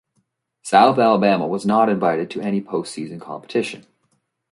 South Alabama was not invited to any postseason competition.